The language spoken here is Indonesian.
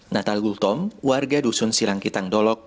natal gultom warga dusun silangkitang dolok